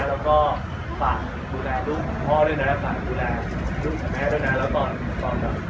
แล้วก็ฝากดูแลลูกคุณพ่อด้วยนะฝากดูแลลูกคุณแม่ด้วยนะ